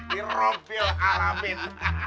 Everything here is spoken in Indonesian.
di rumpil alamin